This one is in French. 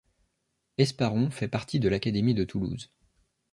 Esparron fait partie de l'académie de Toulouse.